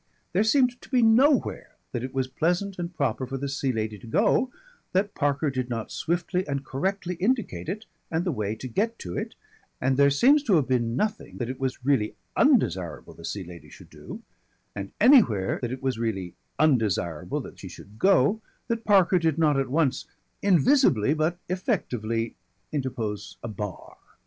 There seemed to be nowhere that it was pleasant and proper for the Sea Lady to go that Parker did not swiftly and correctly indicate it and the way to get to it, and there seems to have been nothing that it was really undesirable the Sea Lady should do and anywhere that it was really undesirable that she should go, that Parker did not at once invisibly but effectively interpose a bar.